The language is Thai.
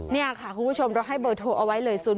นี่ค่ะคุณผู้ชมเราให้เบอร์โทรเอาไว้เลย